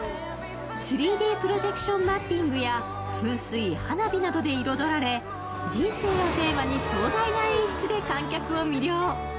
３Ｄもプロジェクションマッピングや噴水、花火などで彩られ、人生をテーマに壮大な演出で観客を魅了。